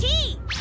Ａ！